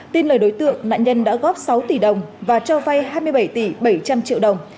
tin lời đối tượng nạn nhân đã góp sáu tỷ đồng và cho vay hai mươi bảy tỷ bảy trăm linh triệu đồng